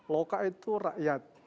loka itu rakyat